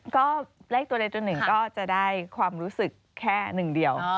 ก็เลขตัวใดตัวหนึ่งก็จะได้ความรู้สึกแค่หนึ่งเดียว